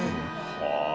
はあ。